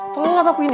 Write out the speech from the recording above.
terlengah aku ini